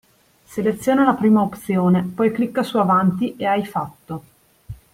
Seleziona la prima opzione, poi clicca su avanti e hai fatto.